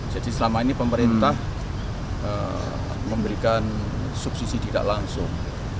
jadi selama ini pemerintah memberikan subsisi tidak langsung